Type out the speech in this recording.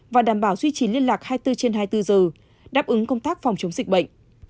và đảm bảo duy trì liên lạc hai mươi bốn trên hai mươi bốn giờ đáp ứng công tác phòng chống dịch bệnh